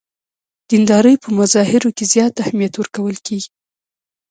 دیندارۍ په مظاهرو کې زیات اهمیت ورکول کېږي.